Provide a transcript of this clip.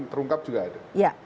terungkap juga ada